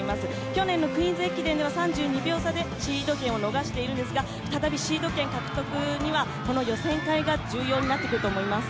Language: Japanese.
去年のクイーンズ駅伝では３２秒差でシード権を逃しているんですが、再びシード権獲得がこの予選会が重要になってくると思います。